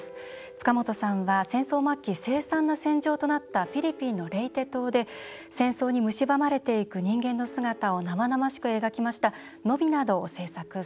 塚本さんは戦争末期凄惨な戦場となったフィリピンのレイテ島で戦争にむしばまれていく人間の姿を生々しく描きました「野火」などを製作されました。